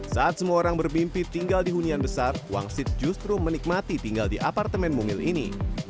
saat semua orang bermimpi tinggal di hunian besar wangsit justru menikmati tinggal di apartemen mungil ini